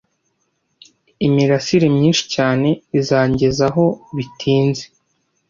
imirasire myinshi cyane izangezaho bitinze